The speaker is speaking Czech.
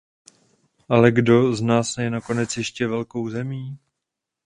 Alekdo z nás je nakonec ještě velkou zemí?